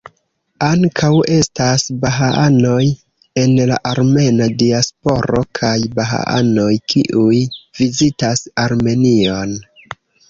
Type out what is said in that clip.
Ankaŭ estas bahaanoj en la armena diasporo kaj bahaanoj kiuj vizitas Armenion.